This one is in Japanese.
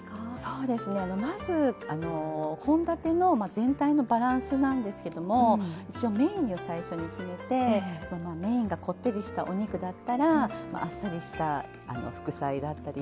そうですねまず献立の全体のバランスなんですけども私はメインを最初に決めてそのメインがこってりしたお肉だったらあっさりした副菜だったり。